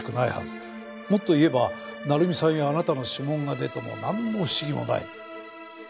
もっと言えば成美さんやあなたの指紋が出てもなんの不思議もない。